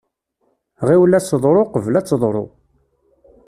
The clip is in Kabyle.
Ɣiwel aseḍru, qebl ad teḍru.